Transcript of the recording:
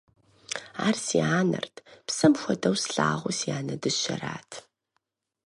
Ар си анэрт, псэм хуэдэу слъагъу си анэ дыщэрат.